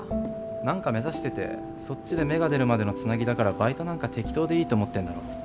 何か目指しててそっちで芽が出るまでのつなぎだからバイトなんか適当でいいと思ってるんだろ。